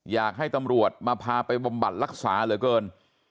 อยากให้ตำรวจมาพาไปบำบัดรักษาเหลือเกิน